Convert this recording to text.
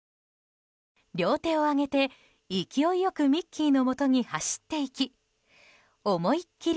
両手を上げて、勢いよくミッキーのもとに走っていき思い切り